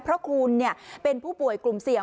เพราะคุณเป็นผู้ป่วยกลุ่มเสี่ยง